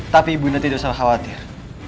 tapi ibu nanti tidak usah khawatir